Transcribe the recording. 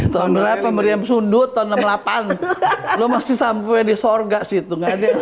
tahun berapa meriam sundut tahun enam puluh delapan lu masih sampai di sorga situ